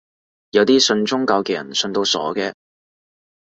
有啲信宗教嘅人信到傻嘅